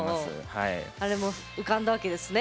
あれも浮かんだわけですね。